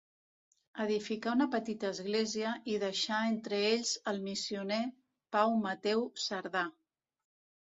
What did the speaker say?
Edificà una petita església i deixà entre ells el missioner Pau Mateu Cerdà.